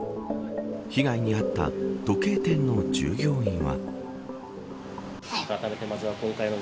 被害に遭った時計店の従業員は。